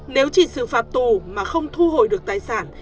nếu chỉ xử phạt tù mà không thu hồi được tài sản